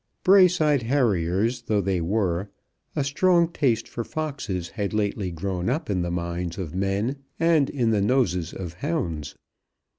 Braeside Harriers though they were, a strong taste for foxes had lately grown up in the minds of men and in the noses of hounds.